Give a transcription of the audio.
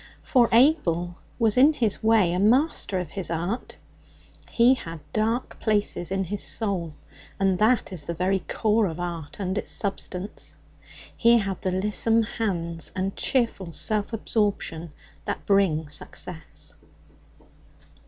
For Abel was in his way a master of his art; he had dark places in his soul, and that is the very core of art and its substance. He had the lissom hands and cheerful self absorption that bring success.